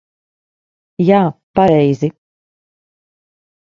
Jā, pareizi.